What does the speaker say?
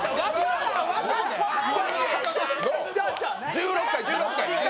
１６回、１６回。